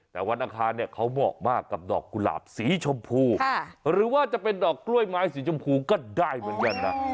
แต่วันอังคารเนี่ยเขาเหมาะมากกับดอกกุหลาบสีชมพูหรือว่าจะเป็นดอกกล้วยไม้สีชมพูก็ได้เหมือนกันนะ